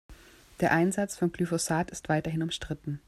Der Einsatz von Glyphosat ist weiterhin umstritten.